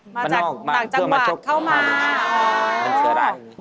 มาจากจังหวัดเข้ามาเป็นเสือร้ายอย่างนี้